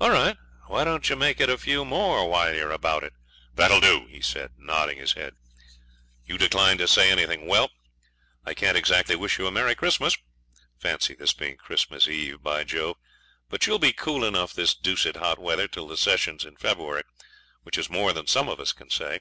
'All right; why don't you make it a few more while you're about it?' 'That'll do,' he said, nodding his head, 'you decline to say anything. Well, I can't exactly wish you a merry Christmas fancy this being Christmas Eve, by Jove! but you'll be cool enough this deuced hot weather till the sessions in February, which is more than some of us can say.